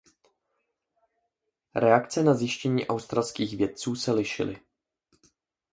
Reakce na zjištění australských vědců se lišily.